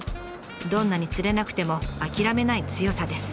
どんなに釣れなくても諦めない強さです。